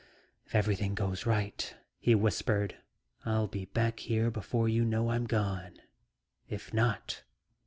"If everything goes right," he whispered, "I'll be back before you know I'm gone. If not..."